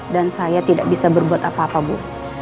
dan saya tidak bisa berbuat apa apa bu